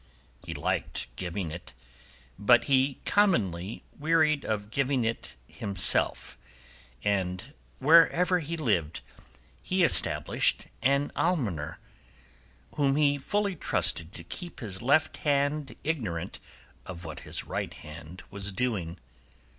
He liked giving it, but he commonly wearied of giving it himself, and wherever he lived he established an almoner, whom he fully trusted to keep his left hand ignorant of what his right hand was doing.